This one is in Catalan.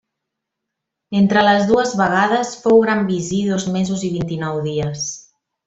Entre les dues vegades fou gran visir dos mesos i vint-i-nou dies.